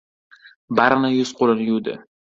Barini yuz-qo‘lini yuvdi.